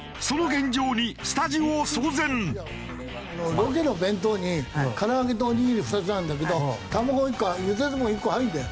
ロケの弁当に唐揚げとおにぎり２つあるんだけど卵１個ゆで卵１個入るんだよ。